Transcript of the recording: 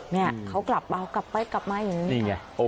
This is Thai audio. เนี่ยเขากลับมาเอากลับไปกลับมาอย่างนี้นี่ไง